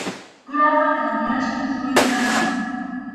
Кората е надворешниот слој на земјата.